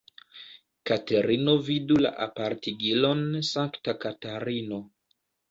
Katerino vidu la apartigilon Sankta Katarino.